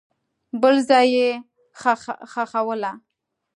بل ځای یې ښخوله.